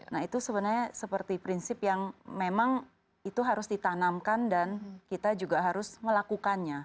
nah itu sebenarnya seperti prinsip yang memang itu harus ditanamkan dan kita juga harus melakukannya